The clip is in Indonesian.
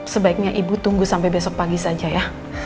sebaiknya ibu tunggu sampai besok pagi saja ya